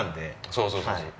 そうそうそうそう。